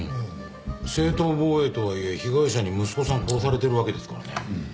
正当防衛とはいえ被害者に息子さん殺されてるわけですからね。